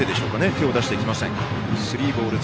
手を出してきません。